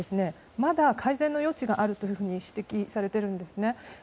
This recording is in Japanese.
まだ改善の余地があると指摘されているんです。